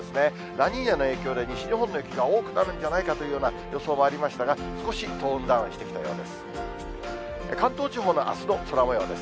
ラニーニャの影響で、西日本の雪が多くなるんじゃないかというような予想もありましたが、少しトーンダウンしてきたようです。